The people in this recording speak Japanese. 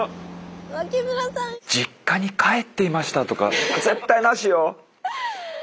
実家に帰っていましたとか絶対なしよ。